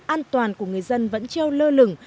an toàn của người dân vẫn treo lơ lửng